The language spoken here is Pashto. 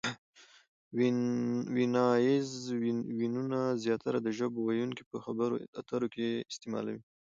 ویناییز وییونه زیاتره د ژبو ویونکي په خبرو اترو کښي استعمالوي.